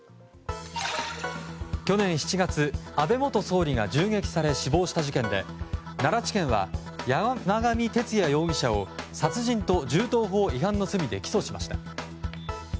去年７月、安倍元総理が銃撃され死亡した事件で奈良地検は、山上徹也容疑者を殺人と銃刀法違反の罪で起訴しました。